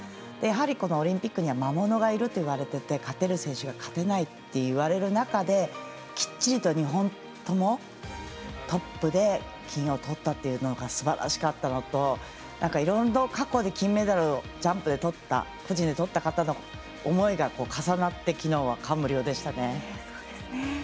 やはりオリンピックには魔物がいるといわれてて勝てる選手が勝てないといわれる中できっちりと２本ともトップで金をとったというのがすばらしかったのと過去に金メダルをジャンプでとった方の思いが重なって、昨日は感無量でした。